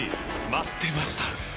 待ってました！